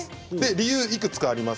理由がいくつかあります。